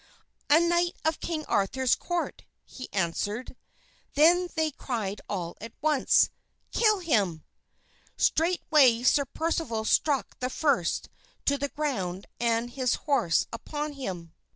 "A knight of King Arthur's court," he answered. Then they cried all at once, "Kill him!" Straightway Sir Percival struck the first to the ground and his horse upon him.